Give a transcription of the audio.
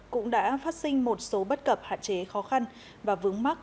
cũng đã phát sinh một số bất cập hạn chế khó khăn và vướng mắt